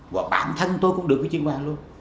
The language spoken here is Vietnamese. và bản thân tôi cũng được quy chương dạng luôn